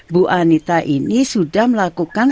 bu anita ini sudah melakukan